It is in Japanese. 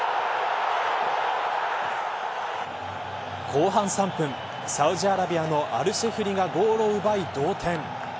後半３分サウジアラビアのアルシェフリがゴールを奪い同点。